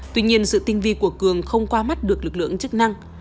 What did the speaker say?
tuy nhiên sự tinh vi của cường không qua mắt được lực lượng chức năng